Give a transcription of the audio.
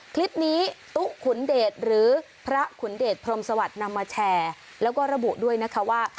ตุ๊กขุนเดชหรือพระขุนเดชพรมสวัสดิ์นำมาแชร์แล้วก็ระบุด้วยนะคะว่า